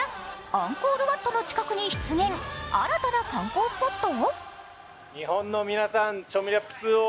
アンコールワットの近くに出現、新たな観光スポット？